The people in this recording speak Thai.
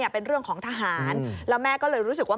เป็นเรื่องของทหารแล้วแม่ก็เลยรู้สึกว่า